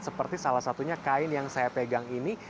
seperti salah satunya kain yang saya pegang ini